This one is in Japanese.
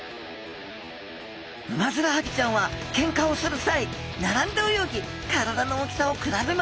ウマヅラハギちゃんはけんかをするさいならんで泳ぎ体の大きさをくらべます。